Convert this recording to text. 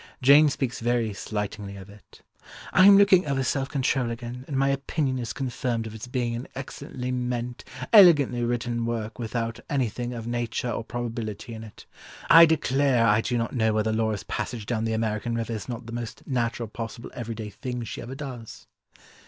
Jane speaks very slightingly of it: "I am looking over Self Control again, and my opinion is confirmed of its being an excellently meant, elegantly written work, without anything of nature or probability in it. I declare I do not know whether Laura's passage down the American river is not the most natural possible every day thing she ever does."